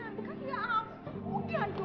lu tuh orang orang putri tau gak